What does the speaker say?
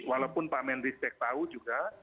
walaupun pak mendris yang tahu juga